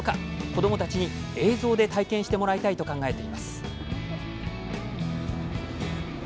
子どもたちに映像で体験してもらいたいと考えています。